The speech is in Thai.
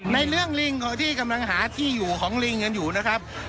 ในเรื่องลิงของที่กำลังหาที่อยู่ของลิงกันอยู่นะครับ